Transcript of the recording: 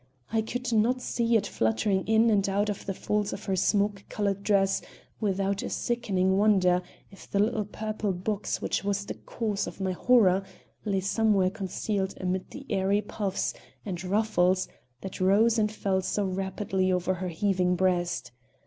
I could not see it fluttering in and out of the folds of her smoke colored dress without a sickening wonder if the little purple box which was the cause of my horror lay somewhere concealed amid the airy puffs and ruffles that rose and fell so rapidly over her heaving breast.